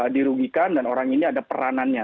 dirugikan dan orang ini ada peranannya